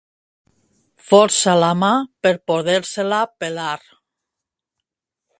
Força a la mà per poder-se-la pelar.